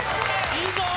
いいぞ！